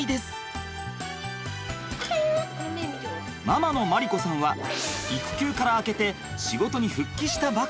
ママの麻里子さんは育休から明けて仕事に復帰したばかり。